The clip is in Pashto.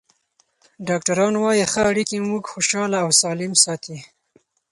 ډاکټران وايي ښه اړیکې موږ خوشحاله او سالم ساتي.